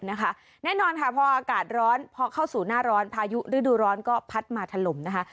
แน่นอนค่ะพออากาศร้อนพอเข้าสู่หน้าร้อนพายุฤดูร้อนก็พัดมาถล่มนะคะ